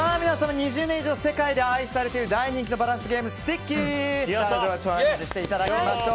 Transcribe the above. ２０年以上世界で愛されている大人気のバランスゲームスティッキースタジオでチャレンジしていただきましょう。